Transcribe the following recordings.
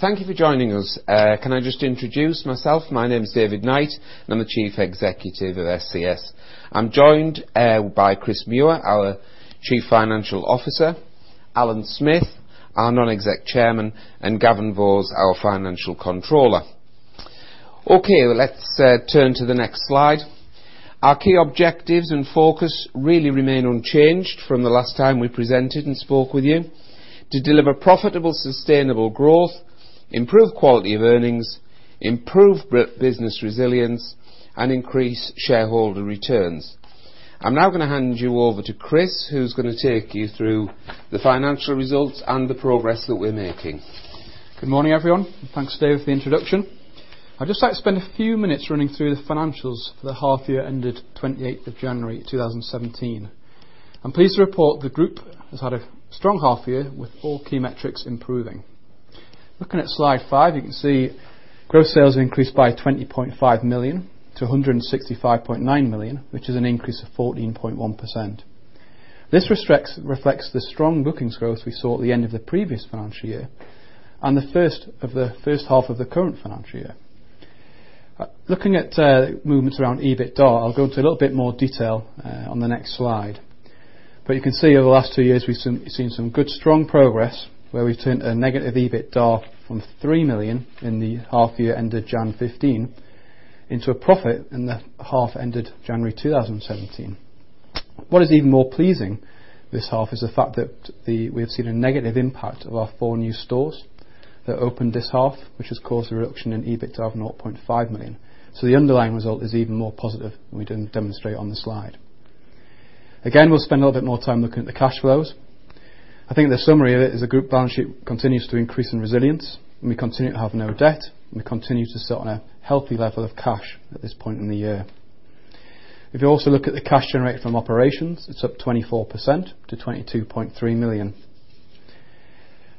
Thank you for joining us. Can I just introduce myself? My name's David Knight, and I'm the Chief Executive of ScS. I'm joined by Chris Muir, our Chief Financial Officer, Alan Smith, our Non-Exec Chairman, and Gavin Voss, our Financial Controller. Okay, let's turn to the next slide. Our key objectives and focus really remain unchanged from the last time we presented and spoke with you: to deliver profitable, sustainable growth, improve quality of earnings, improve business resilience, and increase shareholder returns. I'm now going to hand you over to Chris, who's going to take you through the financial results and the progress that we're making. Good morning, everyone. Thanks, Dave, for the introduction. I'd just like to spend a few minutes running through the financials for the half-year ended 28th of January, 2017. I'm pleased to report the Group has had a strong half-year with all key metrics improving. Looking at slide five, you can see gross sales have increased by 20.5 million to 165.9 million, which is an increase of 14.1%. This reflects the strong bookings growth we saw at the end of the previous financial year and the first of the first half of the current financial year. Looking at movements around EBITDA, I'll go into a little bit more detail on the next slide. You can see over the last two years we've seen some good, strong progress, where we've turned a negative EBITDA from 3 million in the half-year ended January 2015 into a profit in the half ended January 2017. What is even more pleasing this half is the fact that we have seen a negative impact of our four new stores that opened this half, which has caused a reduction in EBITDA of 0.5 million. The underlying result is even more positive than we didn't demonstrate on the slide. Again, we'll spend a little bit more time looking at the cash flows. I think the summary of it is the Group balance sheet continues to increase in resilience, and we continue to have no debt, and we continue to sit on a healthy level of cash at this point in the year. If you also look at the cash generated from operations, it's up 24% to 22.3 million.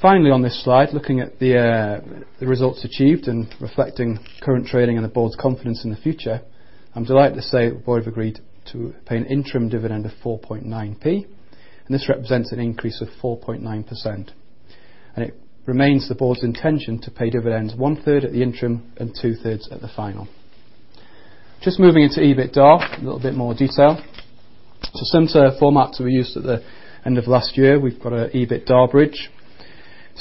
Finally, on this slide, looking at the results achieved and reflecting current trading and the Board's confidence in the future, I'm delighted to say the Board have agreed to pay an interim dividend of 0.049, and this represents an increase of 4.9%. It remains the Board's intention to pay dividends one-third at the interim and two-thirds at the final. Just moving into EBITDA, a little bit more detail. To sum to the format that we used at the end of last year, we've got an EBITDA bridge.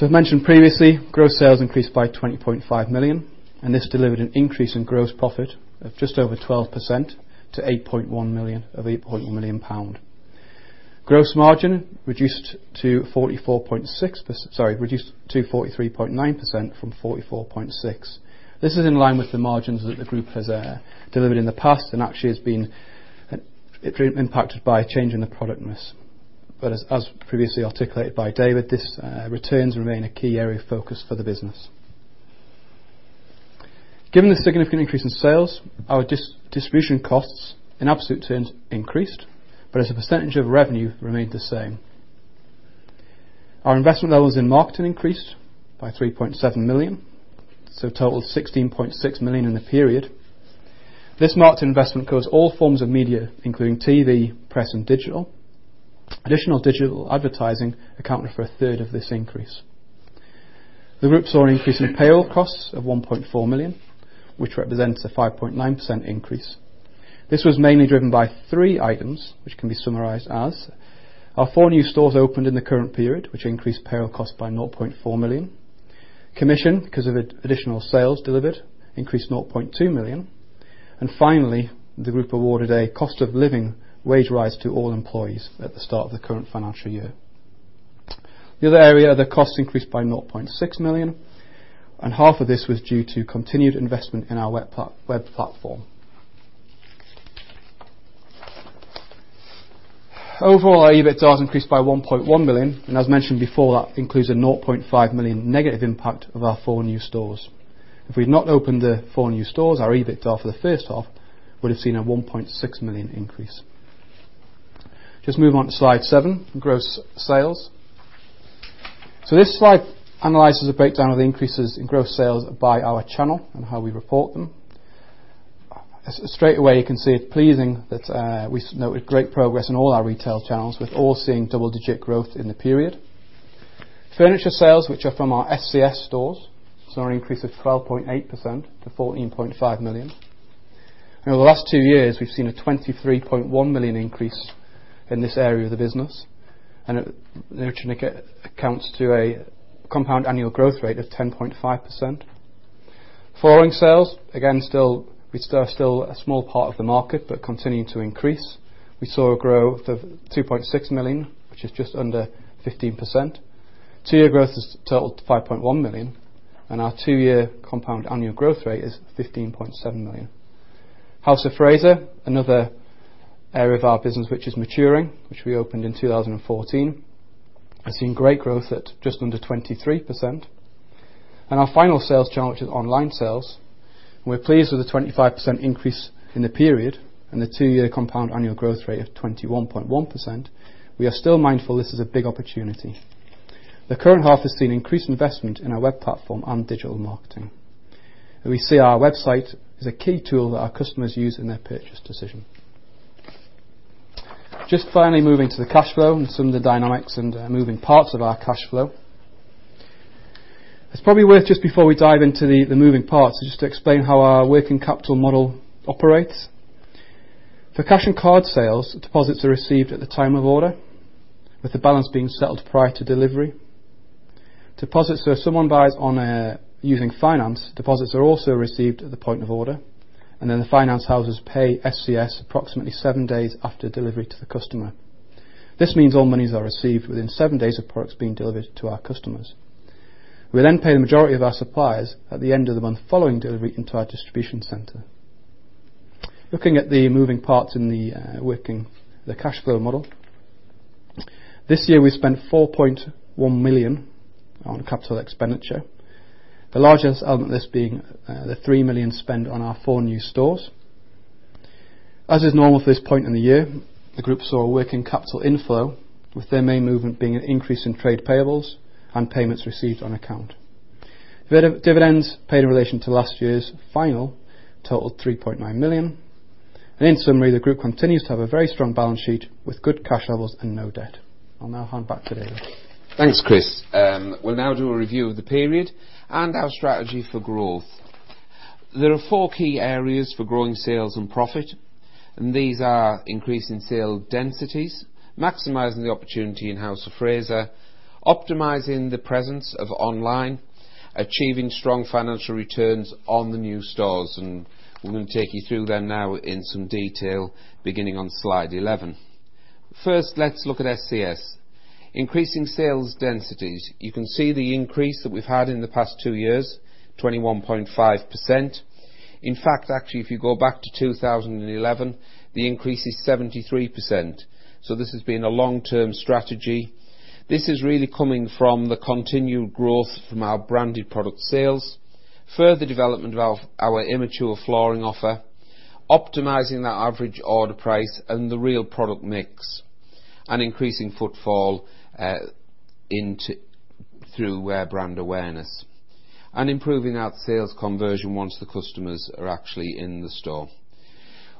As mentioned previously, gross sales increased by 20.5 million, and this delivered an increase in gross profit of just over 12% to 8.1 million. Gross margin reduced to 43.9% from 44.6%. This is in line with the margins that the Group has delivered in the past and actually has been impacted by a change in the productness. As previously articulated by David, these returns remain a key area of focus for the business. Given the significant increase in sales, our distribution costs in absolute terms increased, but as a percentage of revenue remained the same. Our investment levels in marketing increased by 3.7 million, so totaled 16.6 million in the period. This marketing investment covers all forms of media, including TV, press, and digital. Additional digital advertising accounted for a third of this increase. The Group saw an increase in payroll costs of 1.4 million, which represents a 5.9% increase. This was mainly driven by three items, which can be summarized as: our four new stores opened in the current period, which increased payroll costs by 0.4 million; commission because of additional sales delivered increased 0.2 million; and finally, the Group awarded a cost of living wage rise to all employees at the start of the current financial year. The other area of the costs increased by 0.6 million, and half of this was due to continued investment in our web platform. Overall, our EBITDA has increased by 1.1 million, and as mentioned before, that includes a 0.5 million negative impact of our four new stores. If we'd not opened the four new stores, our EBITDA for the first half would have seen a 1.6 million increase. Just moving on to slide seven, gross sales. This slide analyses a breakdown of the increases in gross sales by our channel and how we report them. Straight away, you can see it's pleasing that we noted great progress in all our retail channels, with all seeing double-digit growth in the period. Furniture sales, which are from our ScS stores, saw an increase of 12.8% to 14.5 million. Over the last two years, we've seen a 23.1 million increase in this area of the business, and it accounts to a compound annual growth rate of 10.5%. Flooring sales, again, we're still a small part of the market but continuing to increase. We saw a growth of 2.6 million, which is just under 15%. Two-year growth has totaled 5.1 million, and our two-year compound annual growth rate is 15.7%. House of Fraser, another area of our business which is maturing, which we opened in 2014, has seen great growth at just under 23%. Our final sales channel, which is online sales, we're pleased with the 25% increase in the period and the two-year compound annual growth rate of 21.1%. We are still mindful this is a big opportunity. The current half has seen increased investment in our web platform and digital marketing. We see our website is a key tool that our customers use in their purchase decision. Just finally moving to the cash flow and some of the dynamics and moving parts of our cash flow. It's probably worth, just before we dive into the moving parts, just to explain how our working capital model operates. For cash and card sales, deposits are received at the time of order, with the balance being settled prior to delivery. Deposits, so if someone buys using finance, deposits are also received at the point of order, and then the finance houses pay ScS approximately seven days after delivery to the customer. This means all monies are received within seven days of products being delivered to our customers. We then pay the majority of our suppliers at the end of the month following delivery into our distribution center. Looking at the moving parts in the working cash flow model, this year we spent 4.1 million on capital expenditure, the largest element of this being the 3 million spent on our four new stores. As is normal for this point in the year, the Group saw working capital inflow, with the main movement being an increase in trade payables and payments received on account. Dividends paid in relation to last year's final totaled 3.9 million. In summary, the Group continues to have a very strong balance sheet with good cash levels and no debt. I'll now hand back to David. Thanks, Chris. We'll now do a review of the period and our strategy for growth. There are four key areas for growing sales and profit, and these are increasing sale densities, maximizing the opportunity in House of Fraser, optimizing the presence of online, achieving strong financial returns on the new stores. We're going to take you through them now in some detail, beginning on slide 11. First, let's look at ScS. Increasing sales densities. You can see the increase that we've had in the past two years, 21.5%. In fact, actually, if you go back to 2011, the increase is 73%. This has been a long-term strategy. This is really coming from the continued growth from our branded product sales, further development of our immature flooring offer, optimizing that average order price and the real product mix, and increasing footfall through brand awareness, and improving that sales conversion once the customers are actually in the store.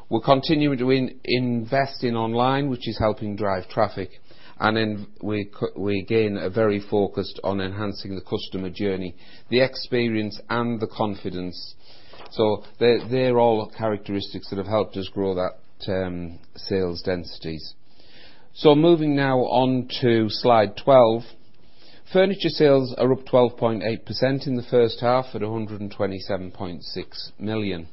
We're continuing to invest in online, which is helping drive traffic, and we're again very focused on enhancing the customer journey, the experience, and the confidence. They are all characteristics that have helped us grow that sales densities. Moving now on to slide 12. Furniture sales are up 12.8% in the first half at 127.6 million.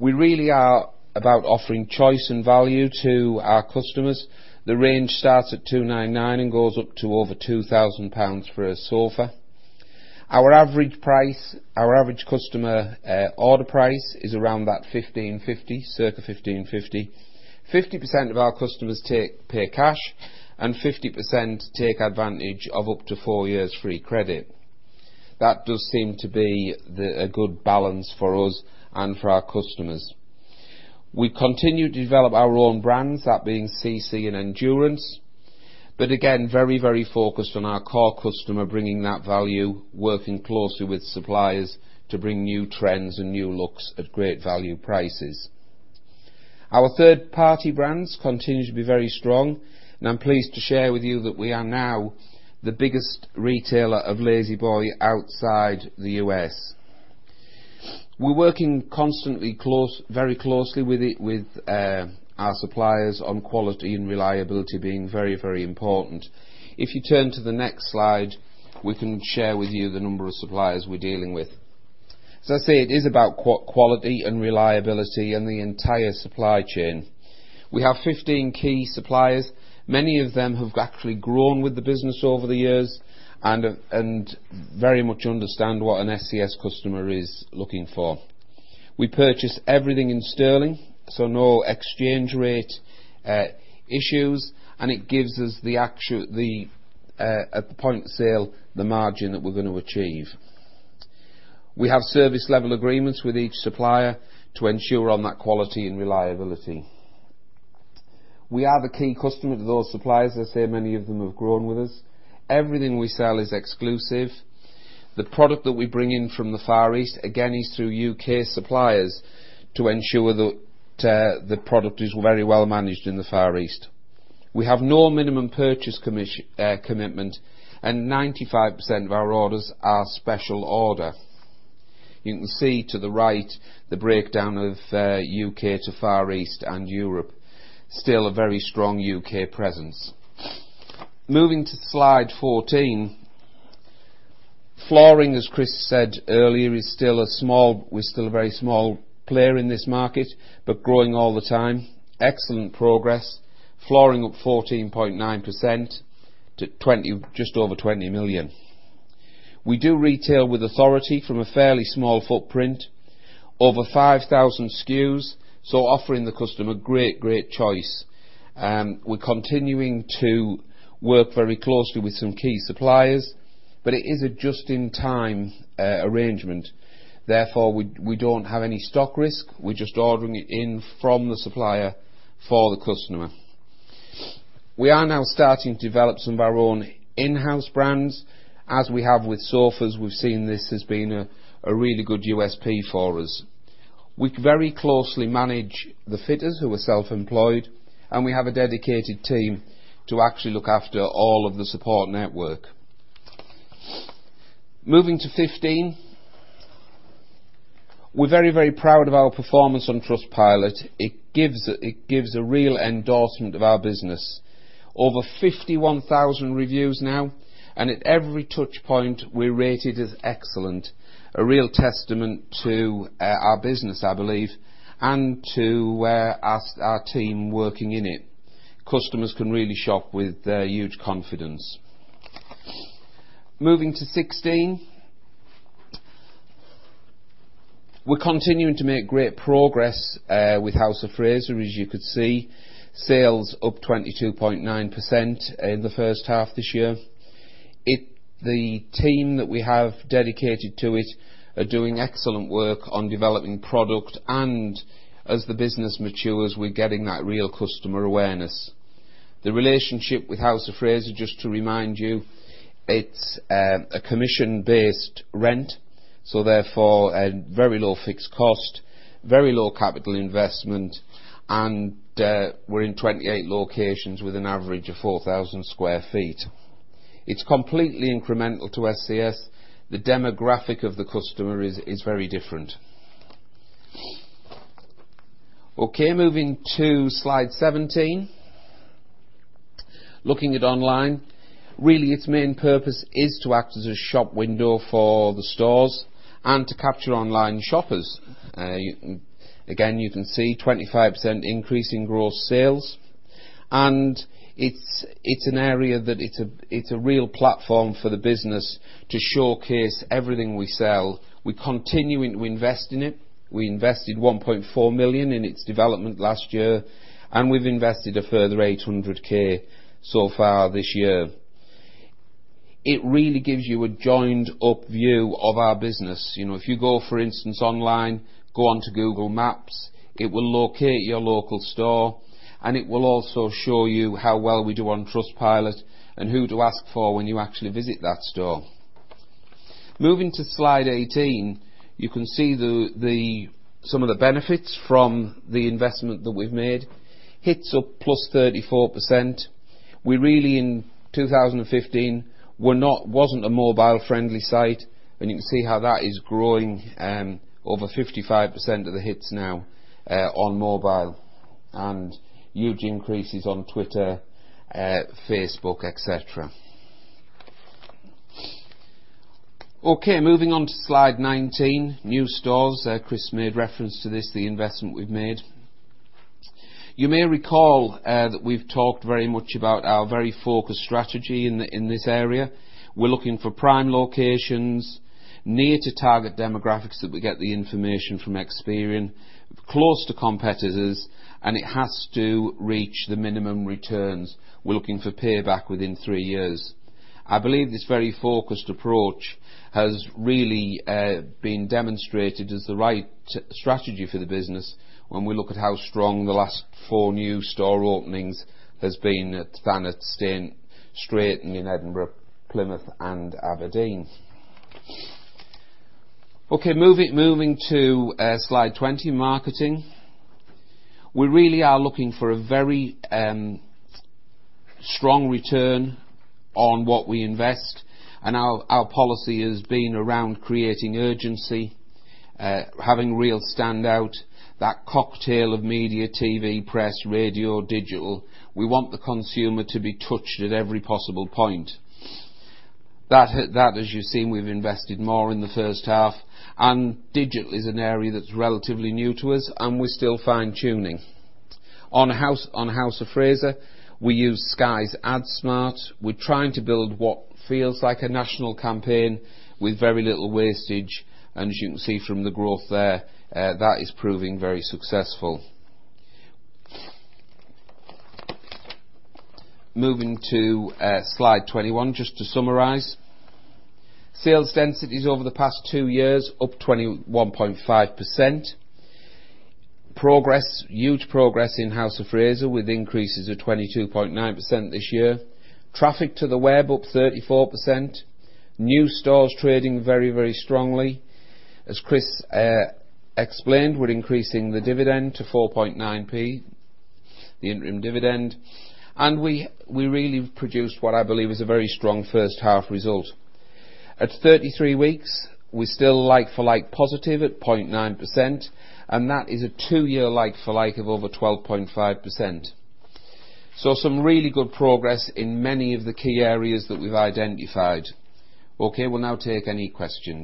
We really are about offering choice and value to our customers. The range starts at 299 and goes up to over 2,000 for a sofa. Our average customer order price is around that 1,550, circa 1,550. 50% of our customers pay cash, and 50% take advantage of up to four years free credit. That does seem to be a good balance for us and for our customers. We continue to develop our own brands, that being CC and Endurance, but again, very, very focused on our core customer, bringing that value, working closely with suppliers to bring new trends and new looks at great value prices. Our third-party brands continue to be very strong, and I'm pleased to share with you that we are now the biggest retailer of La-Z-Boy outside the US. We're working constantly very closely with our suppliers on quality and reliability being very, very important. If you turn to the next slide, we can share with you the number of suppliers we're dealing with. As I say, it is about quality and reliability and the entire supply chain. We have 15 key suppliers. Many of them have actually grown with the business over the years and very much understand what an ScS customer is looking for. We purchase everything in GBP, so no exchange rate issues, and it gives us the point of sale, the margin that we're going to achieve. We have service level agreements with each supplier to ensure on that quality and reliability. We are the key customer to those suppliers. As I say, many of them have grown with us. Everything we sell is exclusive. The product that we bring in from the Far East, again, is through U.K. suppliers to ensure that the product is very well managed in the Far East. We have no minimum purchase commitment, and 95% of our orders are special order. You can see to the right the breakdown of U.K. to Far East and Europe. Still a very strong U.K. presence. Moving to slide 14. Flooring, as Chris said earlier, is still a very small player in this market, but growing all the time. Excellent progress. Flooring up 14.9% to just over 20 million. We do retail with authority from a fairly small footprint, over 5,000 SKUs, so offering the customer great, great choice. We're continuing to work very closely with some key suppliers, but it is a just-in-time arrangement. Therefore, we do not have any stock risk. We're just ordering it in from the supplier for the customer. We are now starting to develop some of our own in-house brands. As we have with sofas, we've seen this as being a really good USP for us. We very closely manage the fitters who are self-employed, and we have a dedicated team to actually look after all of the support network. Moving to 15. We're very, very proud of our performance on Trustpilot. It gives a real endorsement of our business. Over 51,000 reviews now, and at every touchpoint, we're rated as excellent. A real testament to our business, I believe, and to our team working in it. Customers can really shop with huge confidence. Moving to 16. We're continuing to make great progress with House of Fraser, as you could see. Sales up 22.9% in the first half this year. The team that we have dedicated to it are doing excellent work on developing product, and as the business matures, we're getting that real customer awareness. The relationship with House of Fraser, just to remind you, it's a commission-based rent, so therefore a very low fixed cost, very low capital investment, and we're in 28 locations with an average of 4,000 sq ft. It's completely incremental to ScS. The demographic of the customer is very different. Okay, moving to slide 17. Looking at online, really its main purpose is to act as a shop window for the stores and to capture online shoppers. Again, you can see 25% increase in gross sales, and it's an area that it's a real platform for the business to showcase everything we sell. We're continuing to invest in it. We invested 1.4 million in its development last year, and we've invested a further 800,000 so far this year. It really gives you a joined-up view of our business. If you go, for instance, online, go onto Google Maps, it will locate your local store, and it will also show you how well we do on Trustpilot and who to ask for when you actually visit that store. Moving to slide 18, you can see some of the benefits from the investment that we've made. Hits up plus 34%. We really, in 2015, wasn't a mobile-friendly site, and you can see how that is growing. Over 55% of the hits now on mobile and huge increases on Twitter, Facebook, etc. Okay, moving on to slide 19, new stores. Chris made reference to this, the investment we've made. You may recall that we've talked very much about our very focused strategy in this area. We're looking for prime locations, near-to-target demographics that we get the information from experience, close to competitors, and it has to reach the minimum returns. We're looking for payback within three years. I believe this very focused approach has really been demonstrated as the right strategy for the business when we look at how strong the last four new store openings have been at Thanet, Stevenage, Stretford, Edinburgh, Plymouth, and Aberdeen. Okay, moving to slide 20, marketing. We really are looking for a very strong return on what we invest, and our policy has been around creating urgency, having real standout, that cocktail of media, TV, press, radio, digital. We want the consumer to be touched at every possible point. That, as you've seen, we've invested more in the first half, and digital is an area that's relatively new to us, and we're still fine-tuning. On House of Fraser, we use Sky's AdSmart. We're trying to build what feels like a national campaign with very little wastage, and as you can see from the growth there, that is proving very successful. Moving to slide 21, just to summarize. Sales densities over the past two years up 21.5%. Huge progress in House of Fraser with increases of 22.9% this year. Traffic to the web up 34%. New stores trading very, very strongly. As Chris explained, we're increasing the dividend to 0.049, the interim dividend, and we really produced what I believe is a very strong first half result. At 33 weeks, we're still like-for-like positive at 0.9%, and that is a two-year like-for-like of over 12.5%. Some really good progress in many of the key areas that we've identified. Okay, we'll now take any questions.